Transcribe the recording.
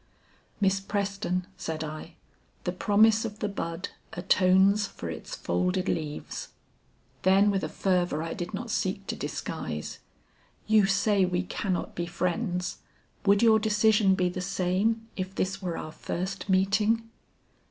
"Miss Preston," said I, "the promise of the bud atones for its folded leaves." Then with a fervor I did not seek to disguise, "You say we cannot be friends; would your decision be the same if this were our first meeting?"